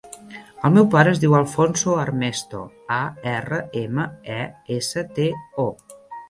El meu pare es diu Alfonso Armesto: a, erra, ema, e, essa, te, o.